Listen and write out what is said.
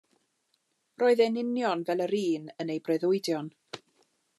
Roedd e'n union fel yr un yn ei breuddwydion.